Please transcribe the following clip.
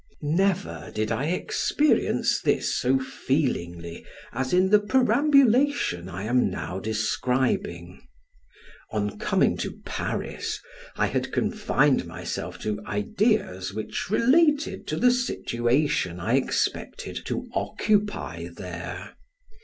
Never did I experience this so feelingly as in the perambulation I am now describing. On coming to Paris, I had confined myself to ideas which related to the situation I expected to occupy there.